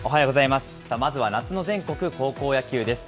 まずは夏の全国高校野球です。